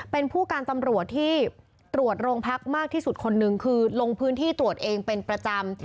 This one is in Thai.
เป็นผู้การตำรวจที่ตรวจโรงพักมากที่สุดคนนึงคือลงพื้นที่ตรวจเองเป็นประจำ